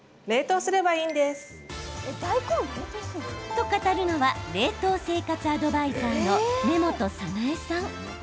と語るのは冷凍生活アドバイザーの根本早苗さん。